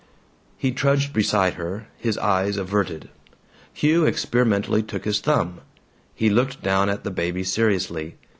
He trudged beside her, his eyes averted. Hugh experimentally took his thumb. He looked down at the baby seriously.